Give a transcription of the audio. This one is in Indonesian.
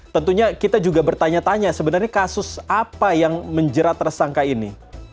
tentunya kita juga bertanya tanya sebenarnya kasus apa yang menjerat tersangka ini